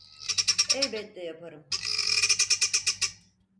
Elbette yaparım.